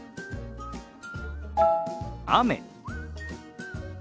雨。